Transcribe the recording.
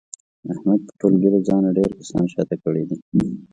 احمد په ټولګي له ځانه ډېر کسان شاته کړي دي.